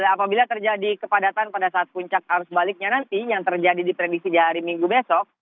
apabila terjadi kepadatan pada saat puncak arus baliknya nanti yang terjadi di prediksi di hari minggu besok